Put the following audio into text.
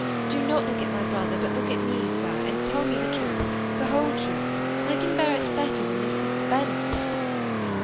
" Do not look at my brother, but look at me, sir, and tell me the truth, the whole truth. I can bear it better than this sus pense."